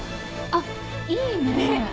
あっいいね！